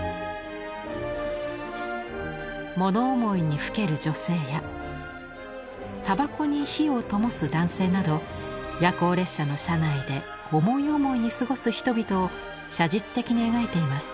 物思いにふける女性やタバコに火をともす男性など夜行列車の車内で思い思いに過ごす人々を写実的に描いています。